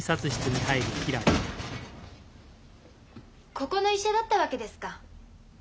ここの医者だったわけですか。